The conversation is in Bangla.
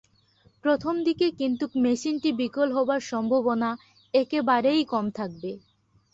প্রথম দিকে কিন্তু মেশিনটি বিকল হবার সম্ভাবনা একেবারেই কম থাকবে।